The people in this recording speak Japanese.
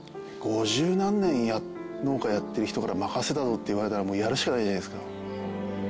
五十何年農家やってる人から任せたぞって言われたらもうやるしかないじゃないですか。